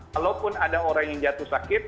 kalaupun ada orang yang jatuh sakit